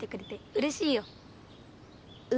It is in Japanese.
うれしい？